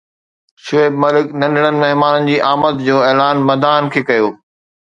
شعيب ملڪ ننڍڙن مهمانن جي آمد جو اعلان مداحن کي ڪيو